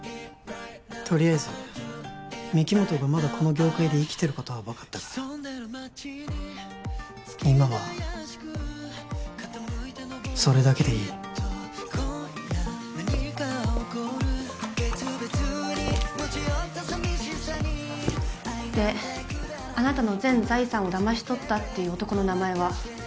とりあえず御木本がまだこの業界で生きてることは分かったから今はそれだけでいいであなたの全財産をだまし取ったっていう男の名前は？